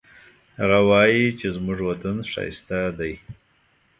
هغه وایي چې زموږ وطن ښایسته ده